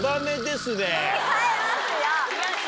違いますよ！